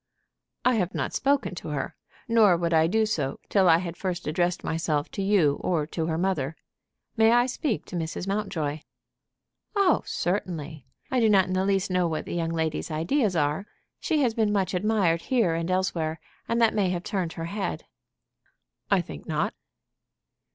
"I have not spoken to her. Nor would I do so till I had first addressed myself to you or to her mother. May I speak to Mrs. Mountjoy?" "Oh, certainly. I do not in the least know what the young lady's ideas are. She has been much admired here and elsewhere, and that may have turned her head." "I think not."